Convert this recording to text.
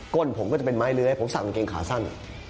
้นผมก็จะเป็นไม้เลื้อยผมสั่งกางเกงขาสั้น